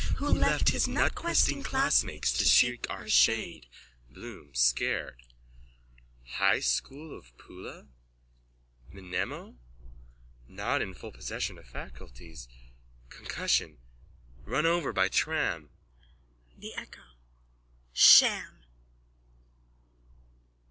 Who left his nutquesting classmates to seek our shade? BLOOM: (Scared.) High School of Poula? Mnemo? Not in full possession of faculties. Concussion. Run over by tram. THE ECHO: Sham!